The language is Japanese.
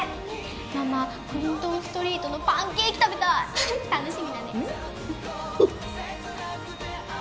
ママクリントンストリートのパンケーキ食べたい楽しみだね